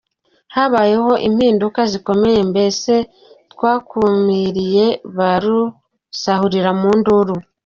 Habayeho impinduka zikomeye mbese twakumiriye ba rusahuriramunduru.